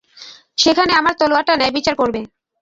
সেখানে আমার তলোয়ারটা ন্যায়বিচার করবে।